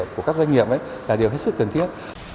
của các doanh nghiệp là điều hết sức cần thiết